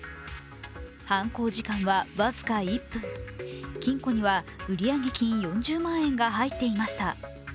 犯行時間は僅か１分、金庫には売上金４０万円が入っていました。